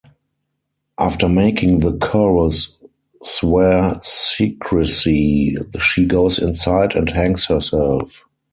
After making the chorus swear secrecy, she goes inside and hangs herself.